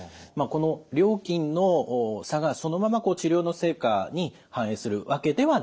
この料金の差がそのまま治療の成果に反映するわけではないということですね。